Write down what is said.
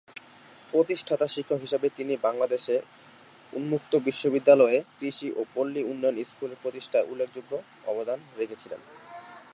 প্রতিষ্ঠাতা শিক্ষক হিসাবে তিনি বাংলাদেশ উন্মুক্ত বিশ্ববিদ্যালয়ে কৃষি ও পল্লী উন্নয়ন স্কুল প্রতিষ্ঠায় উল্লেখযোগ্য অবদান রেখেছিলেন।